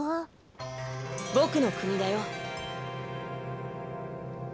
ボクのくにだよ。